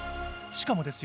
しかもですよ